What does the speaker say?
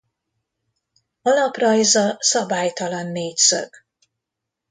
Alaprajza szabálytalan négyszög.